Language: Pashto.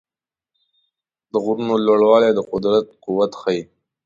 د غرونو لوړوالي د قدرت قوت ښيي.